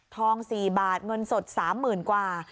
ทองสี่บาทเงินสดสามหมื่นกว่า